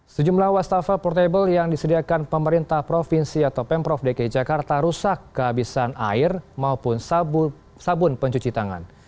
sejumlah wastafel portable yang disediakan pemerintah provinsi atau pemprov dki jakarta rusak kehabisan air maupun sabun pencuci tangan